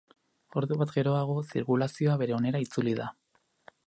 Ordu bat geroago, zirkulazioa bere onera itzuli da.